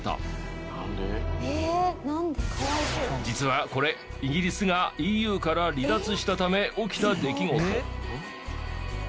実はこれイギリスがＥＵから離脱したため起きた出来事。